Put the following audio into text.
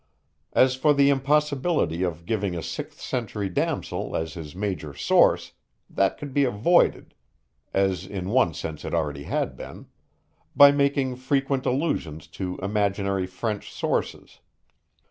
As for the impossibility of giving a sixth century damosel as his major source, that could be avoided as in one sense it already had been my making frequent allusions to imaginary French sources.